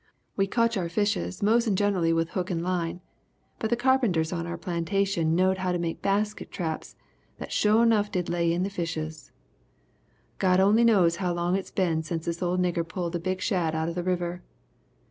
We cotch our fishes mos'n generally with hook and line, but the carpenters on our plantation knowed how to make basket traps that sho' nuff did lay in the fishes! God only knows how long it's been since this old nigger pulled a big shad out of the river.